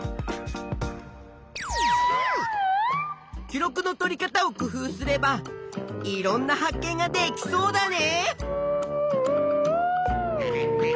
記録のとり方を工夫すればいろんな発見ができそうだね！